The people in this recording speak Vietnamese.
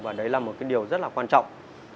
và đấy là một cái điều rất là quan trọng